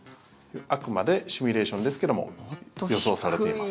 あくまでシミュレーションですけども予想されています。